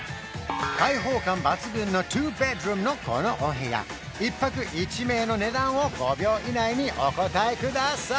開放感抜群の２ベッドルームのこのお部屋１泊１名の値段を５秒以内にお答えください！